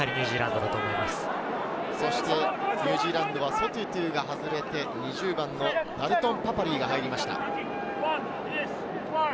ニュージーランドはソトゥトゥが外れて２０番のダルトン・パパリイが入りました。